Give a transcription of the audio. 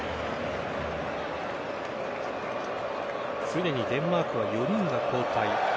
すでにデンマークは４人が交代。